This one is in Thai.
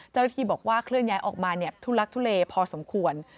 เจ้าหน้าที่บอกว่าเคลื่อนย้ายออกมาทุลักทุเลพอสมควร